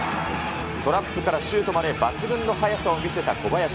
トラップからシュートまで抜群の速さを見せた小林。